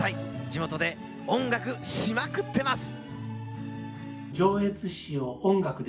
地元で音楽しまくってます！